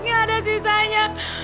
nggak ada sisanya